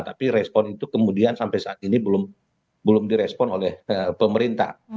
tapi respon itu kemudian sampai saat ini belum direspon oleh pemerintah